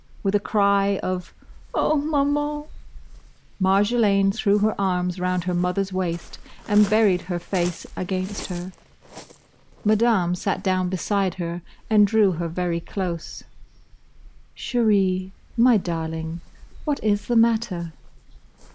With a cry of "Oh, Maman!" Marjolaine threw her arms round her mother's waist and buried her face against her. Madame sat down beside her and drew her very close. "Chérie—my darling! What is the matter?"